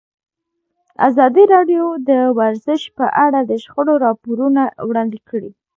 ازادي راډیو د ورزش په اړه د شخړو راپورونه وړاندې کړي.